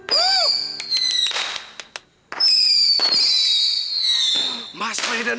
penuh dengan kelelahan hitam